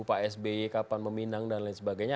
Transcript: pak sby kapan meminang dan lain sebagainya